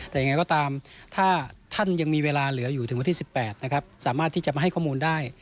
แต่ยังไงก็ตามถ้าท่านยังมีเวลาเหลืออยู่ถึงวันที่๑๘นะครับสามารถที่จะมาให้ข้อมูลได้